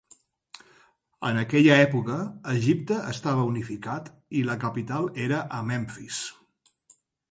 En aquella època Egipte estava unificat i la capital era a Memfis.